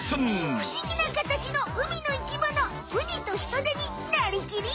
ふしぎなカタチの海の生きものウニとヒトデになりきり！